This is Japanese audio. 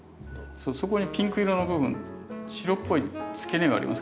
そこにピンク色の部分白っぽいつけ根がありますかね？